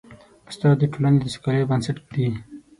استاد د ټولنې د سوکالۍ بنسټ ږدي.